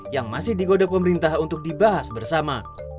yang masih digoda pemerintah untuk dibahas bersama